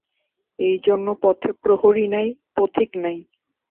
এইজন্য পথে প্রহরী নাই, পথিক নাই।